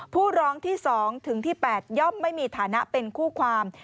ผู้ร้องที่๒ถึงที่๘ย่อมไม่มีฐานะเป็นคู่ความ